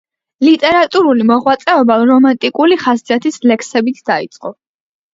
ლიტერატურული მოღვაწეობა რომანტიკული ხასიათის ლექსებით დაიწყო.